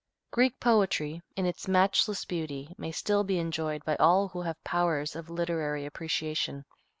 Greek poetry, in its matchless beauty, may still be enjoyed by all who have powers of literary appreciation.